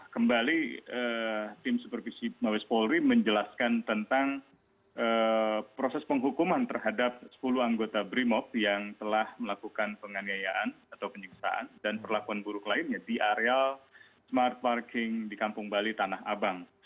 kembali tim supervisi mabes polri menjelaskan tentang proses penghukuman terhadap sepuluh anggota brimob yang telah melakukan penganiayaan atau penyiksaan dan perlakuan buruk lainnya di areal smart parking di kampung bali tanah abang